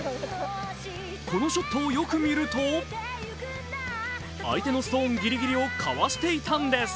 このショットをよく見ると相手のストーンギリギリをかわしていたんです。